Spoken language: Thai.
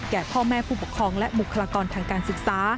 พ่อแม่ผู้ปกครองและบุคลากรทางการศึกษา